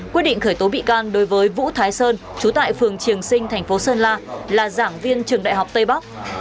quyết định khởi tố bị can đối với vũ thái sơn trú tại phường triềng sinh thành phố sơn la là giảng viên trường đại học tây bắc